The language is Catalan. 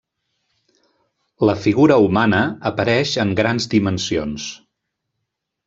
La figura humana apareix en grans dimensions.